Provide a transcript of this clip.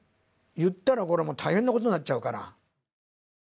言ったら大変なことになっちゃうから。